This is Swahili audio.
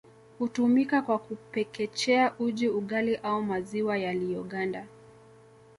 Hutumika kwa kupekechea uji ugali au maziwa yaliyoganda